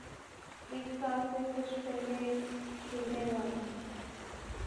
ایک سال سے کچھ پہلے کھلنے والے